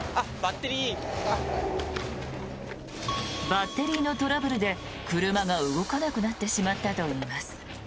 バッテリーのトラブルで車が動かなくなってしまったといいます。